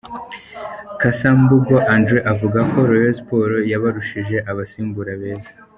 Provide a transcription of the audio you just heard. Cassa Mbungo Andre avuga ko Rayonn Sports yabarushije abasimbura beza.